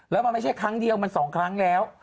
แล้วมันไม่ใช่ครั้งเดียวมัน๒ครั้งแล้ว